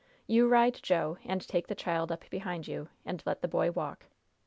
You ride Jo, and take the child up behind you, and let the boy walk.